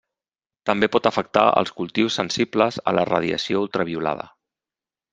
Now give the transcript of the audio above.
També pot afectar els cultius sensibles a la radiació ultraviolada.